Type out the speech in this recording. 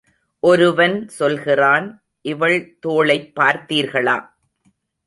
ஒருவன் சொல்கிறான் இவள் தோளைப் பார்த்தீர்களா!